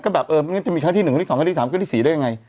ก็แบบเออไม่งั้นจะมีครั้งที่๑ครั้งที่๒ครั้งที่๓ครั้งที่๔ได้ยังไง